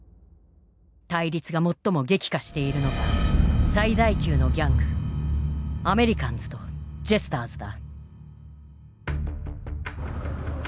対立が最も激化しているのが最大級のギャングアメリカンズとジェスターズだ。